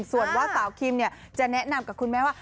ส่วนว่าสาวคิมจะแนะนำกับคุณแม่ว่า